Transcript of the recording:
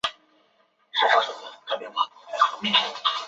氯苯乙酮很容易在市面上买到。